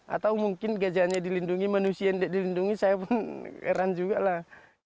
atau mungkin gajahnya dilindungi manusia yang tidak dilindungi saya pun heran juga lah